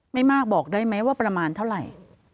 ไม่มากบอกได้ไหมว่าประมาณเท่าไหร่